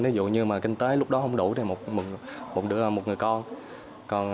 ví dụ như mà kinh tế lúc đó không đủ để một đứa một người con